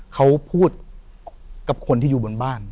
เขาพูดกับคนที่อยู่บนบ้าน